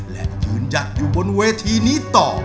และยืนจัดอยู่บนเวทีนี้ต่อ